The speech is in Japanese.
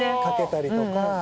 掛けたりとか。